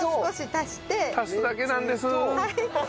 足すだけなんです。